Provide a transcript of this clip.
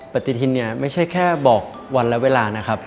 ปฏิทินเนี่ยไม่ใช่แค่บอกวันและเวลานะครับ